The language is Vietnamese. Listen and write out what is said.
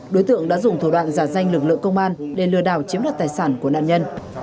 đối tượng đã dùng thủ đoạn giả danh lực lượng công an để lừa đảo chiếm đoạt tài sản của nạn nhân